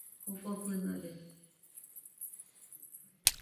Jofo fɨnode